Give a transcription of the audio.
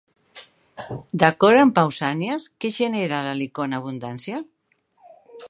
D'acord amb Pausànies, què genera l'Helicó en abundància?